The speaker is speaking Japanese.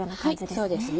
そうですね。